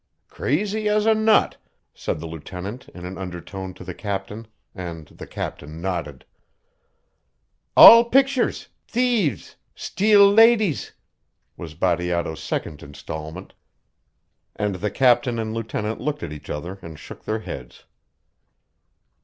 "Crazy as a nut," said the lieutenant in an undertone to the captain, and the captain nodded. "All pictures thieves steal ladies!" was Bateato's second instalment, and the captain and lieutenant looked at each other and shook their heads.